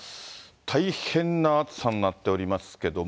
大変な暑さになっておりますけれども。